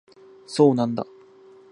そうなんだ